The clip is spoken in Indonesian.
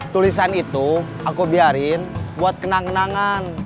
tulisan itu aku biarin buat kenang kenangan